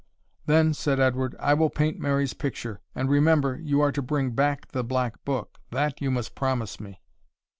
"Then," said Edward, "will I paint Mary's picture and remember you are to bring back the black book; that you must promise me."